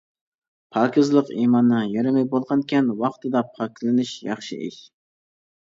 «پاكىزلىق-ئىماننىڭ يېرىمى» بولغانىكەن، ۋاقتىدا پاكلىنىش ياخشى ئىش.